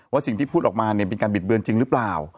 สิ่งที่พูดออกมาเนี่ยเป็นการบิดเบือนจริงหรือเปล่า